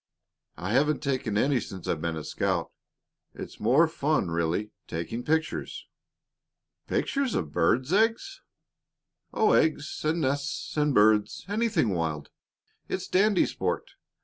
I haven't taken any since I've been a scout. It's more fun, really, taking pictures." "Pictures of birds' eggs?" "Oh, eggs and nests and birds anything wild. It's dandy sport.